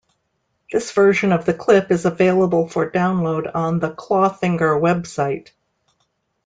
This version of the clip is available for download on the Clawfinger website.